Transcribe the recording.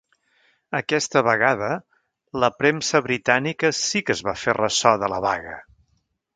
Aquesta vegada, la premsa britànica sí que es va fer ressò de la vaga.